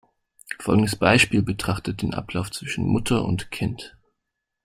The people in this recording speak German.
Folgendes Beispiel betrachtet den Ablauf zwischen Mutter und Kind.